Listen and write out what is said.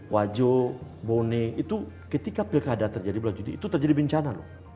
wajo bone itu ketika pilkada terjadi bulan juni itu terjadi bencana loh